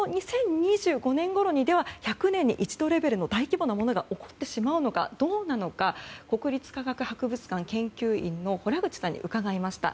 ２０２５年ごろに１００年に一度レベルの大規模なものが起こってしまうのか国立科学博物館研究員の洞口さんに伺いました。